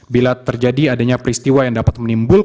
bila terjadi adanya peristiwa yang dapat menimbulkan